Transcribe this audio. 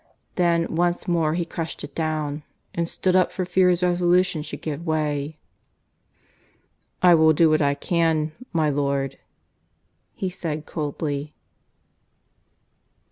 Then once more he crushed it down, and stood up for fear his resolution should give way. "I will do what I can, my lord," he said coldly.